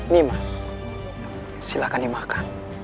nimas silakan dimakan